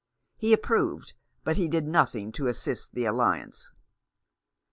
He approved, but he did nothing to assist the alliance.